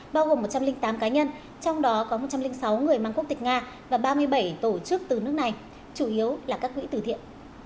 bao gồm một trăm linh tám cá nhân trong đó có một trăm linh sáu người mang quốc tịch nga và ba mươi bảy tổ chức từ nước này chủ yếu là các quỹ tử thiện